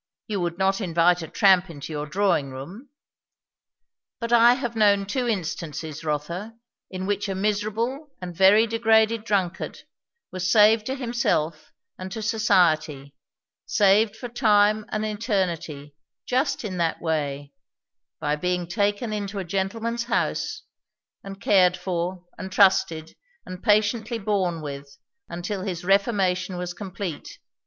You would not invite a tramp into your drawing room. But I have known two instances, Rotha, in which a miserable and very degraded drunkard was saved to himself and to society, saved for time and eternity, just in that way; by being taken into a gentleman's house, and cared for and trusted and patiently borne with, until his reformation was complete.